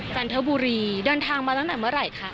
จันทบุรีเดินทางมาตั้งแต่เมื่อไหร่คะ